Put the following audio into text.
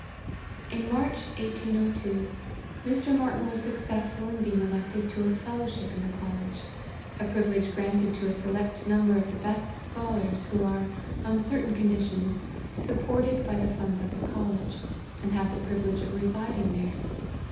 In March 1802, Mr. Martyn was successful in being elected to a fellowship in the college a privilege granted to a select number of the best scholars, who are, on certain conditions, supported by the funds of the college, and have the privi lege of residing there.